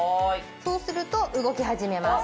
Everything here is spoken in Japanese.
そうすると動き始めます。